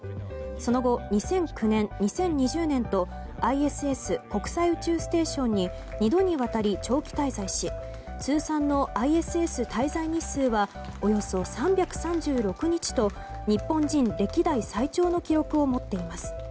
その後、２００９年２０２０年とＩＳＳ・国際宇宙ステーションに２度にわたり長期滞在し通算のＩＳＳ滞在日数はおよそ３３６日と日本人歴代最長の記録を持っています。